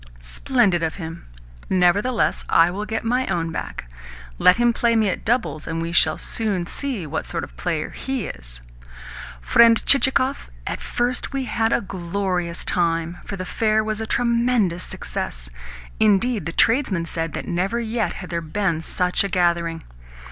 "Splendid of him! Nevertheless I will get my own back. Let him play me at doubles, and we shall soon see what sort of a player he is! Friend Chichikov, at first we had a glorious time, for the fair was a tremendous success. Indeed, the tradesmen said that never yet had there been such a gathering.